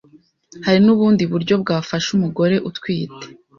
hari n’ubundi buryo bwafasha umugore utwite